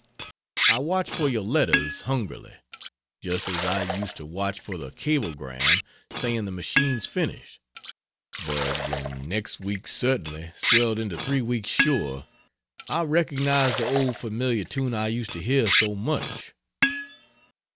"I watch for your letters hungrily just as I used to watch for the cablegram saying the machine's finished; but when 'next week certainly' swelled into 'three weeks sure' I recognized the old familiar tune I used to hear so much.